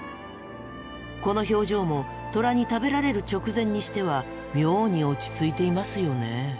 この表情もトラに食べられる直前にしては妙に落ち着いていますよね。